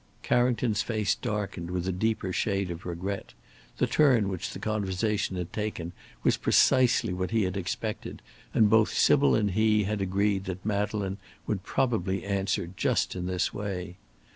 Carrington's face darkened with a deeper shade of regret. The turn which the conversation had taken was precisely what he had expected, and both Sybil and he had agreed that Madeleine would probably answer just in this way.